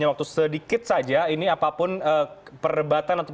sudah lebih senior begitu ya